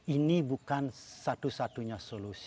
ini bukan satu satunya solusi